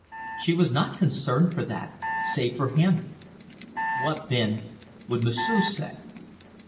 She was not concerned for that, save for him. What, then, would M'sieu' say?